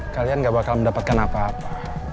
kalian gak bakal mendapatkan apa apa